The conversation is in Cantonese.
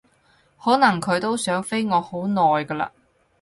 可能佢都想飛我好耐㗎喇